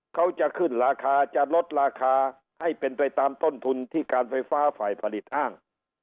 เขาจะขึ้นราคาจะลดราคาให้เป็นไปตามต้นทุนที่การไฟฟ้าฝ่ายผลิตอ้าง